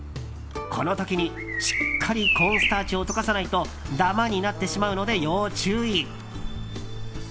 この時にしっかりコーンスターチを溶かさないとダマになってしまうので要注意。